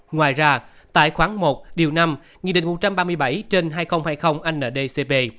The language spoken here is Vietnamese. ngoài ra tại khoảng một điều năm nghị định một trăm ba mươi bảy trên hai nghìn hai mươi ndcp